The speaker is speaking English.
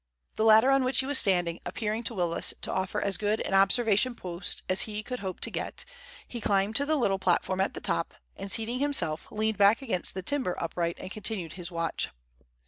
The ladder on which he was standing appearing to Willis to offer as good an observation post as he could hope to get, he climbed to the little platform at the top, and seating himself, leaned back against the timber upright and continued his watch.